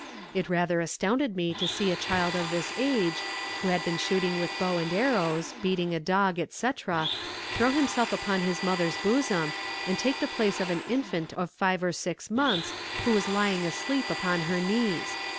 It rather astonished me to see a child of this age, who had been shooting with bow and arrows, beating a dog, &c., throw himself upon his mother's bosom, and take the place of an infant of five or six months who was lying asleep upon her knees."